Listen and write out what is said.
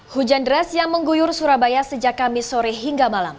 hujan deras yang mengguyur surabaya sejak kamis sore hingga malam